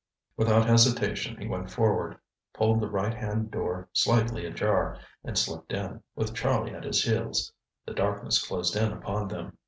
Without hesitation he went forward, pulled the right hand door slightly ajar and slipped in, with Charlie at his heels. The darkness closed in upon them.